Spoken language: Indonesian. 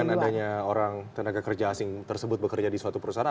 dan dengan adanya orang tenaga kerja asing tersebut bekerja di suatu perusahaan